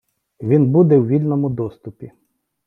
Він буде в вільному доступі.